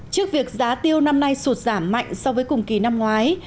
trước việc giá tiêu năm nay sụt giảm mạnh so với cùng kỳ năm ngoái